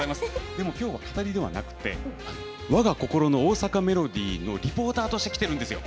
でも今日は語りではなくて「わが心の大阪メロディー」のリポーターとして来てるんですよ。